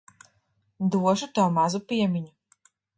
Došu tev mazu piemiņu.